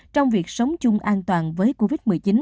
trong việc sống chung an toàn với covid một mươi chín